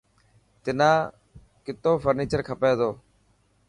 تنا ڪتو فرنيچر کپي تو.